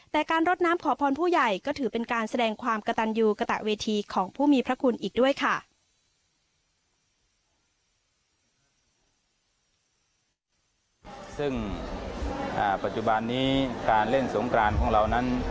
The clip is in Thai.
แต่การรดน้ำขอพรผู้ใหญ่ก็ถือเป็นการแสดงความกระตันยูกระตะเวทีของผู้มีพระคุณอีกด้วยค่ะ